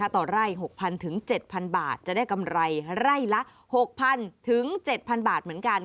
ต่อไร่๖๐๐๗๐๐บาทจะได้กำไรไร่ละ๖๐๐๐๗๐๐บาทเหมือนกัน